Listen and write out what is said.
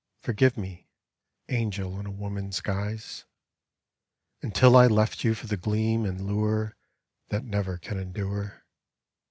(Forgive me, angel in a woman's guise!) Until I left you for the gleam and lure That never can endure.